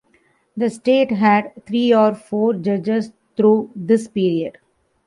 The state had three or four judges through this period.